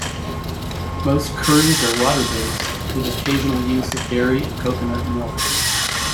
Most curries are water based, with occasional use of dairy and coconut milk.